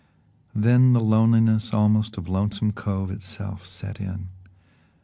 Then the loneliness almost of Lonesome Cove itself set in.